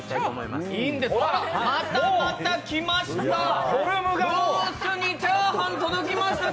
またまた来ました。